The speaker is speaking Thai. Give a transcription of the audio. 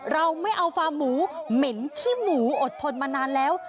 เราไม่เอาฟาร์หมูเหม็นขี้หมูอดทนมานานแล้ว